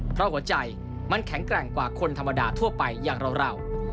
เพราะหัวใจมันแข็งแกร่งกว่าคนธรรมดาทั่วไปอย่างเรา